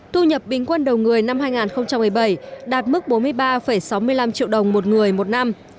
thu nhập bình quân đầu người năm hai nghìn một mươi bảy đạt mức bốn mươi ba sáu mươi năm triệu đồng một người một năm